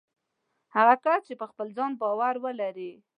هغه کس چې په خپل ځان باور ولري